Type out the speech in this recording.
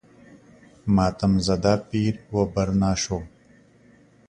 ماتم زده پیر و برنا شو.